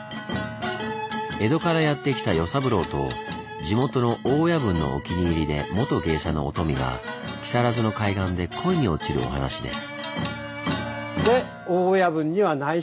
江戸からやって来た与三郎と地元の大親分のお気に入りで元芸者のお富が木更津の海岸で恋に落ちるお話です。